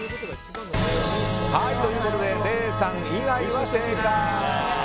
ということで礼さん以外は正解！